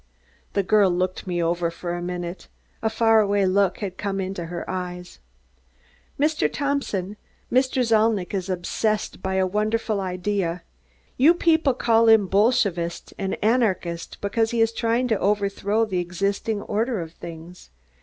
The girl looked me over for a minute. A far away look had come into her eyes. "Mr. Thompson, Mr. Zalnitch is obsessed by a wonderful idea. You people call him 'Bolshevist' and 'anarchist,' because he is trying to overthrow the existing order of things.